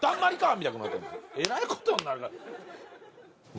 みたいなえらいことになるから。